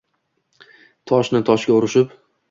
Toshni-toshga urishib